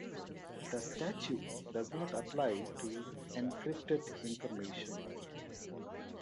The statute does not apply to "encrypted" information.